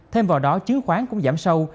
thêm vào đó chứng khoán cũng giảm sâu